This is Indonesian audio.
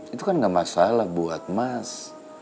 itu kan gak masalah buat mas